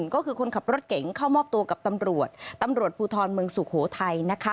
ก็คือคนขับรถเก๋งเข้ามอบตัวกับตำรวจตำรวจภูทรเมืองสุโขทัยนะคะ